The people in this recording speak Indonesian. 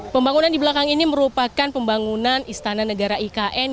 pembangunan di belakang ini merupakan pembangunan istana negara ikn